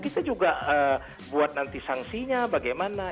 kita juga buat nanti sanksinya bagaimana